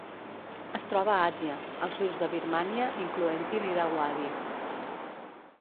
Es troba a Àsia: els rius de Birmània, incloent-hi l'Irauadi.